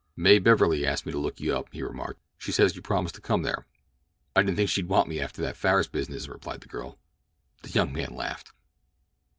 "May Beverley asked me to look you up," he remarked. "She says you promised to come there." "I didn't think she'd want me after that Farris business," replied the girl. The young man laughed.